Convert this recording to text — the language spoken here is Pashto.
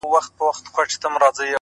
که قتل غواړي، نه یې غواړمه په مخه یې ښه،